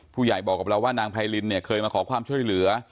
ผู้ใหญ่บอกกับเราว่านางไพรินเนี่ยเคยมาขอความช่วยเหลือ